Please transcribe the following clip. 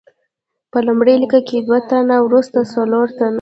په لومړۍ لیکه کې دوه تنه، وروسته څلور تنه.